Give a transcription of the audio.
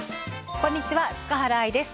こんにちは塚原愛です。